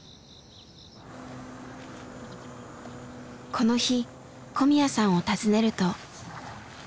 この日小宮さんを訪ねると。